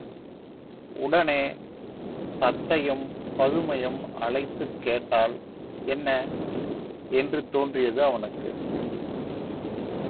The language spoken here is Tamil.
உடனே தத்தையையும் பதுமையையும் அழைத்துக் கேட்டால் என்ன? என்று தோன்றியது அவனுக்கு.